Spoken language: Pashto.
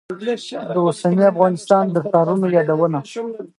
د اوسني افغانستان د ښارونو یادونه.